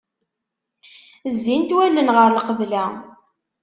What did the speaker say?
Zzint wallen ɣer lqebla.